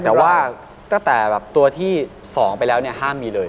แต่ว่าตั้งแต่แบบตัวที่๒ไปแล้วเนี่ยห้ามมีเลย